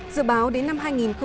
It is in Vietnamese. dự báo đến năm hai nghìn ba mươi